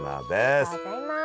ありがとうございます。